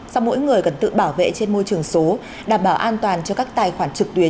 sau mỗi người cần tự bảo vệ trên môi trường số đảm bảo an toàn cho các tài khoản trực tuyến